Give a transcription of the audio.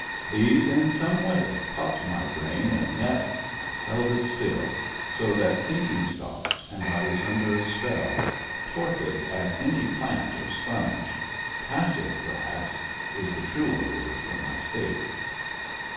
These, in some way, caught my brain in a net and held it still, so that thinking stopped, and I was under a spell, torpid as any plant or sponge — passive, perhaps, is the truer word for my state.